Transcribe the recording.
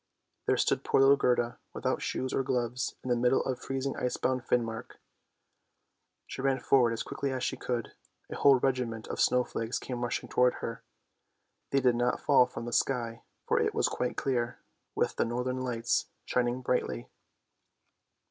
There stood poor little Gerda, without shoes or gloves, in the middle of freezing icebound Finmark. She ran forward as quickly as she could. A whole regiment of snow flakes came towards her; they did not fall from the sky, for it was quite clear, with the northern lights shining brightly.